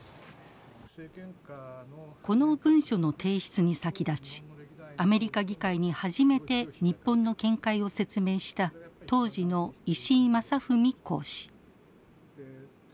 この文書の提出に先立ちアメリカ議会に初めて日本の見解を説明した当時の石井正文公使。